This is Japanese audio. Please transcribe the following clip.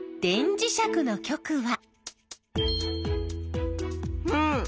磁石の極は。